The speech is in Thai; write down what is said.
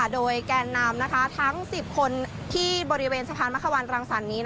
โดยแกนนำทั้ง๑๐คนที่บริเวณสะพานมะควันรังสรรค์นี้